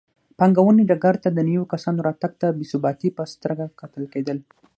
پانګونې ډګر ته د نویو کسانو راتګ ته بې ثباتۍ په سترګه کتل کېدل.